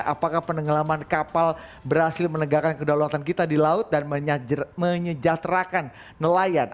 apakah penenggelaman kapal berhasil menegakkan kedaulatan kita di laut dan menyejahterakan nelayan